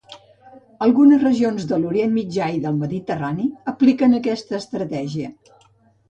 Algunes regions de l'Orient Mitjà i del Mediterrani apliquen aquesta estratègia.